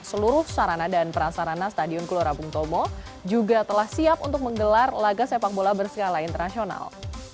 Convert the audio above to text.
seluruh sarana dan prasarana stadion gelora bung tomo juga telah siap untuk menggelar laga sepak bola berskala internasional